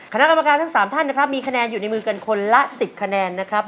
คณะกรรมการทั้ง๓ท่านนะครับมีคะแนนอยู่ในมือกันคนละ๑๐คะแนนนะครับ